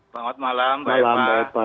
selamat malam pak